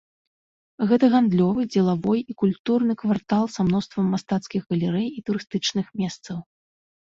Гэта гандлёвы, дзелавой і культурны квартал са мноствам мастацкіх галерэй і турыстычных месцаў.